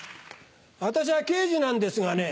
私は刑事なんですがね